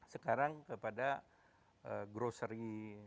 sekarang kepada grocery